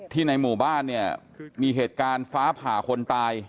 ที่ในหมู่บ้านมีเหตุการณ์ฟ้าผ่าคนตาย